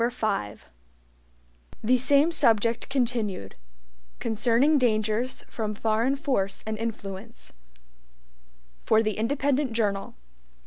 5 The Same Subject Continued (Concerning Dangers From Foreign Force and Influence) For the Independent Journal.